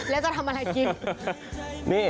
แล้วจะทำอะไรกิน